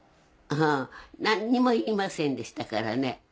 何にも言いませんでしたからね。